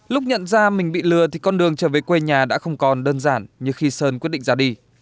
lúc nhận ra mình bị lừa thì con đường trở về quê nhà đã không còn đơn giản như khi sơn quyết định ra đi